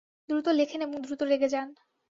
দ্রুত লেখেন এবং দ্রুত রেগে যান।